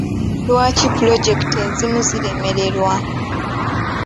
Lwaki pulojekiti ezimu ziremererwa?